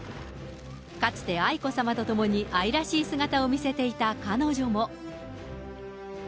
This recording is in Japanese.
かつて愛子さまと共に愛らしい姿を見せていた彼女も。